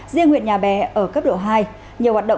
riêng huyện nhà bè ở cấp độ hai